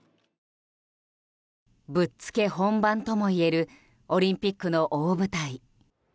ぶっつけ本番ともいえるオリンピックの大舞台。